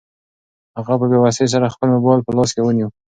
هغې په بې وسۍ سره خپل موبایل په لاس کې ونیو.